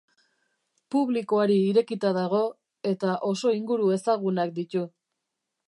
Publikoari irekita dago eta oso inguru ezagunak ditu.